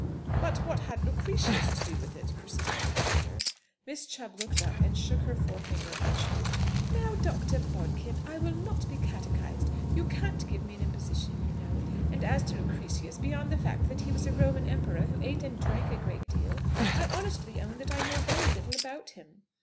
"But what had Lucretius to do with it?" persisted the doctor. Miss Chubb looked up, and shook her forefinger archly. "Now, Dr. Bodkin, I will not be catechised; you can't give me an imposition, you know. And as to Lucretius, beyond the fact that he was a Roman emperor, who ate and drank a great deal, I honestly own that I know very little about him."